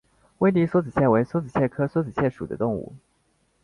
威迪梭子蟹为梭子蟹科梭子蟹属的动物。